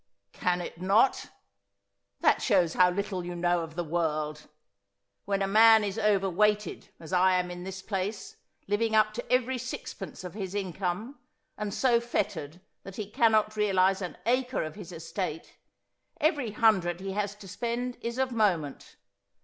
' Can it not ? That shows how little you know of the world. When a man is overweighted as I am in this place, living up to every sixpence of his income, and so fettered that he cannot realise an acre of his estate, every hundred he has to spend is of moment.